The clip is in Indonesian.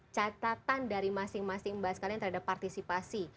catatan dari masing masing mbak sekalian terhadap partisipasi